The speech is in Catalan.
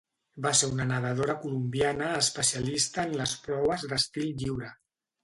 Va ser una nadadora colombiana especialista en les proves d'estil lliure.